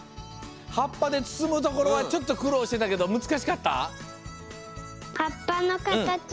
はっぱでつつむところはちょっとくろうしてたけどむつかしかった？